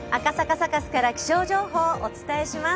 サカスから気象情報をお伝えします。